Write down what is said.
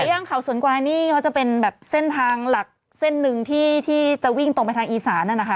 ย่างเขาสวนกวายนี่เขาจะเป็นแบบเส้นทางหลักเส้นหนึ่งที่จะวิ่งตรงไปทางอีสานนั่นนะคะ